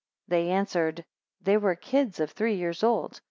5 They answered, They were kids of three years old.